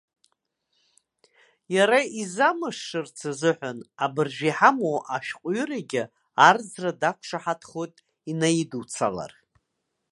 Иара изымашшырц азыҳәан абыржәы иҳамоу ашәҟәҩырагьы арӡра дақәшаҳаҭхоит инаидуцалар.